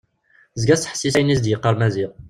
Tezga tettḥessis ayen i as-d-yeqqar Maziɣ.